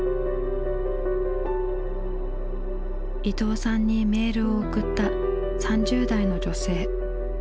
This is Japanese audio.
伊藤さんにメールを送った３０代の女性。